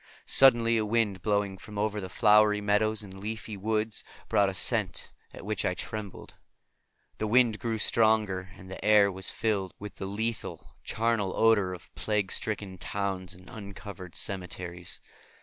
Suddenly a wind blowing from over the flowery meadows and leafy woods brought a scent at which I trembled. The wind grew stronger, and the air was filled with the lethal, charnel odor of plague stricken towns and uncovered cemeteries.